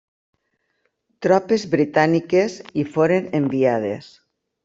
Tropes britàniques hi foren enviades.